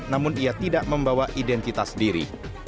namun ia tidak membawa identitas diri